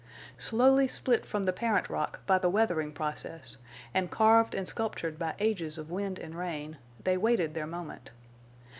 Slowly split from the parent rock by the weathering process, and carved and sculptured by ages of wind and rain, they waited their moment.